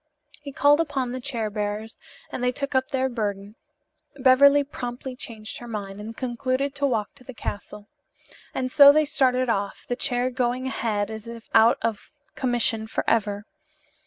He called upon the chair bearers and they took up their burden. Beverly promptly changed her mind and concluded to walk to the castle. And so they started off, the chair going ahead as if out of commission forever.